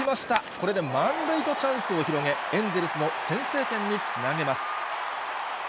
これで満塁とチャンスを広げ、エンゼルスの先制点につなげます。